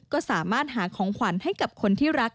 ก็สามารถหาของขวัญให้กับคนที่รัก